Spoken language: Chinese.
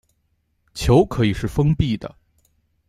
球可以是封闭的。